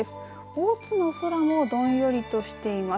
大津の空もどんよりとしています。